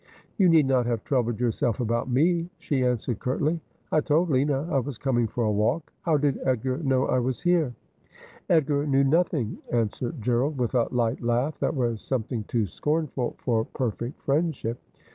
' You need not have troubled yourself about me,' she an swered curtly. ' I told Lina I was coming for a walk. How did Edgar know I was here ?' 'Edgar knew nothing,' answered Gerald, with a light laugh that was something too scornful for perfect friendship.